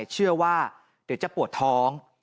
เชื่อว่าเดี๋ยวจะปวดท้อง